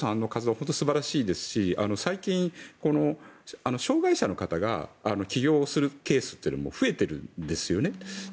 本当に素晴らしいですし最近、この障害者の方が起業するケースというのも増えているんですよね。